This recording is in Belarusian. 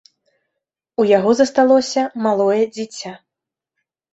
У яго засталося малое дзіця.